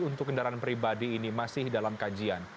untuk kendaraan pribadi ini masih dalam kajian